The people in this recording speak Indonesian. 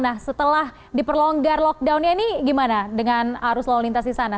nah setelah diperlonggar lockdownnya ini gimana dengan arus lalu lintas di sana